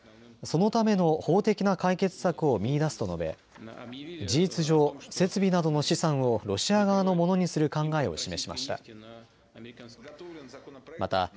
そのための法的な解決策を見いだすと述べ事実上、設備などの資産をロシア側のものにする考えを示しました。